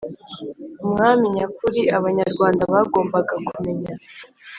Umwami nyakuri, Abanyarwanda bagombaga kumenya